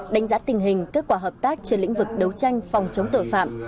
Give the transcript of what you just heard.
đánh giá tình hình kết quả hợp tác trên lĩnh vực đấu tranh phòng chống tội phạm